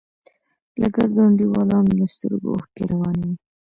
د ګردو انډيوالانو له سترگو اوښکې روانې وې.